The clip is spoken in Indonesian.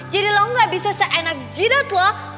lo gak bisa seenak jidat lo